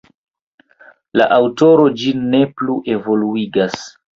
La aŭtoro ĝin ne plu evoluigas.